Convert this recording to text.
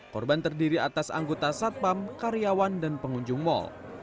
korban terdiri atas anggota satpam karyawan dan pengunjung mal